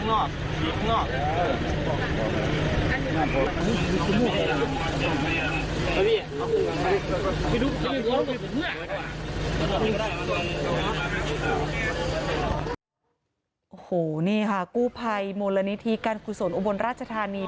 โอ้โหนี่ค่ะกู้ภัยมูลนิธิการกุศลอุบลราชธานี